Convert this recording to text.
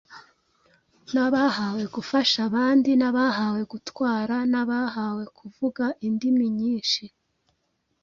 n’abahawe gufasha abandi, n’abahawe gutwara, n’abahawe kuvuga indimi nyinshi.